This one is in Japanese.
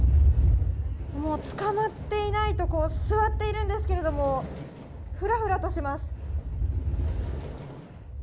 もうつかまっていないと、座っているんですけれども、ふらふらとします。